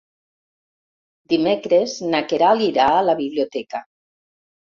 Dimecres na Queralt irà a la biblioteca.